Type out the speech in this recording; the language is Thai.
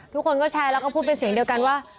ทุกคนก็แชร์แล้วก็พูดเป็นเสียงเดียวกันว่า